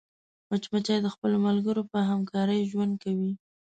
مچمچۍ د خپلو ملګرو په همکارۍ ژوند کوي